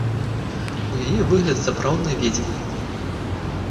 У яе выгляд сапраўднай ведзьмы!